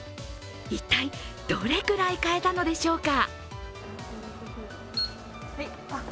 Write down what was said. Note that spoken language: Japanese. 一体どれくらい買えたのでしょうか。